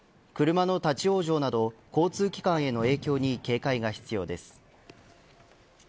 車の立ち往生など交通機関への影響に警戒が必要です。